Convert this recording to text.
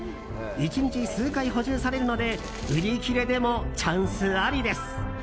１日数回補充されるので売り切れでもチャンスありです。